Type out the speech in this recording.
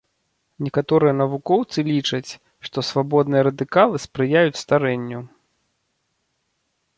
Некаторыя навукоўцы лічаць, што свабодныя радыкалы спрыяюць старэнню.